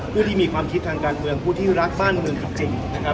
ผู้ที่มีความคิดทางการเมืองผู้ที่รักบ้านเมืองจริงนะครับ